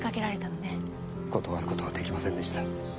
断る事は出来ませんでした。